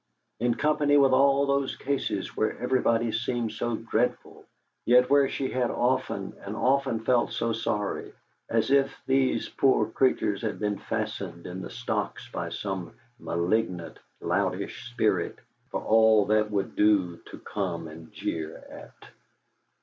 In company with all those cases where everybody seemed so dreadful, yet where she had often and often felt so sorry, as if these poor creatures had been fastened in the stocks by some malignant, loutish spirit, for all that would to come and jeer at.